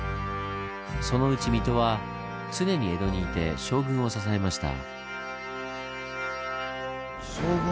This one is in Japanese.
そのうち水戸は常に江戸にいて将軍を支えました。